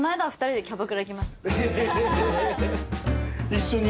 一緒に？